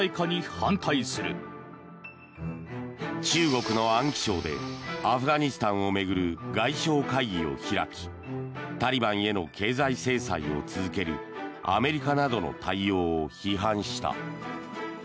中国の安徽省でアフガニスタンを巡る外相会議を開きタリバンへの経済制裁を続けるアメリカなどの対応を批判した。